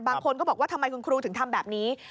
บางคนก็บอกว่าทำไมคุณครูถึงทำแบบนี้